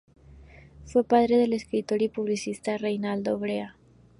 Fue padre del escritor y publicista Reynaldo Brea.